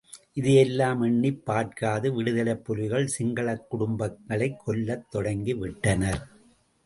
இதையெல்லாம் எண்ணிப் பார்க்காது விடுதலைப் புலிகள் சிங்களக் குடும்பங்களைக் கொல்லத் தொடங்கி விட்டனர்.